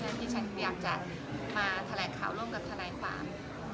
เพราะฉะนั้นผมอยากมาทะแหลดข่าวร่วมกับทะแหลดความ